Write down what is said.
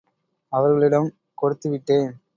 அவர்களிடம் கொடுத்து விட்டேன்.